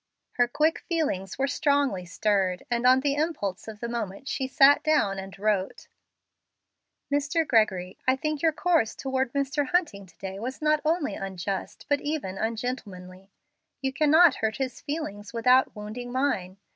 Her quick feelings were strongly stirred, and on the impulse of the moment she sat down and wrote: "Mr. Gregory I think your course toward Mr. Hunting to day was not only unjust, but even ungentlemanly. You cannot hurt his feelings without wounding mine.